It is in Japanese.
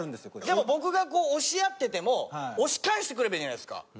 でも僕が押しやってても押し返してくればいいじゃないですか。